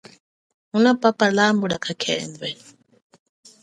Ngunapapa lambu lia kakhendwe.